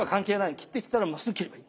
斬ってきたらもうすぐ斬ればいい。